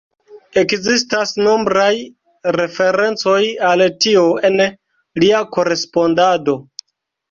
Ekzistas nombraj referencoj al tio en lia korespondado.